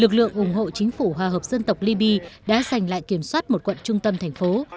lực lượng ủng hộ chính phủ hòa hợp dân tộc libya đã giành lại kiểm soát một quận trung tâm thành phố